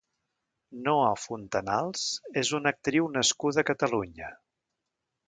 Noa Fontanals és una actriu nascuda a Catalunya.